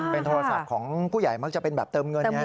เป็นโทรศัพท์ของผู้ใหญ่มักจะเป็นแบบเติมเงินไง